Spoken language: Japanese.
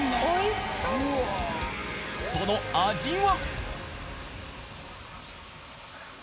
その味は？